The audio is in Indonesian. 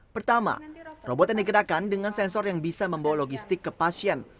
pertama robot yang dikenakan dengan sensor yang bisa membawa logistik ke pasien